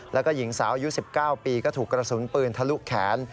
แล้วก็หญิงสาวอายุ๑๙ปีก็ถูกกระสุนปืนทะลุแขน